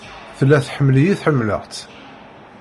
Tella tḥemmel-iyi ḥemmleɣ-tt.